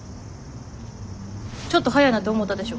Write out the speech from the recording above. ちょっと早いなって思ったでしょ？